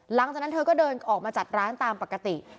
หลังจากนั้นเธอก็เดินออกมาจัดร้านตามปกติ